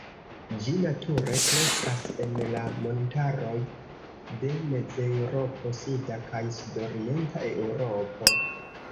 Ĝi nature kreskas en la montaroj de Mezeŭropo, Suda kaj Sudorienta Eŭropo.